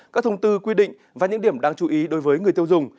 các thông tư quy định và những điểm đáng chú ý đối với người tiêu dùng